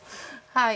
はい。